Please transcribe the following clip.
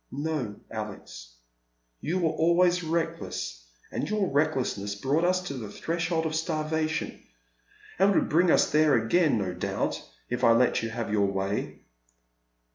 ''" No, Alex. You were always reckless, and your recklessness brought us to the threshold of starvation, and would bring us there again, no doubt, if I let you have your way."